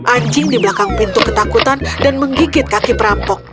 anjing di belakang pintu ketakutan dan menggigit kaki perampok